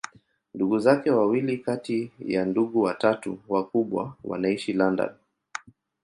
Ndugu zake wawili kati ya ndugu watatu wakubwa wanaishi London.